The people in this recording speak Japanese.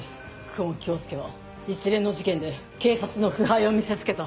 久遠京介は一連の事件で警察の腐敗を見せつけた。